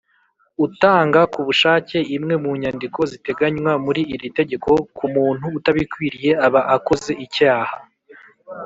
utanga ku bushake imwe mu nyandiko ziteganywa muri iri tegeko k’umuntu utabikwiriye, aba akoze icyaha.